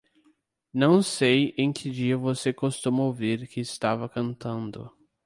Não sei em que dia você costuma ouvir que estava cantando.